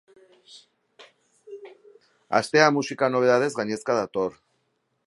Astea musika nobedadez gainezka dator.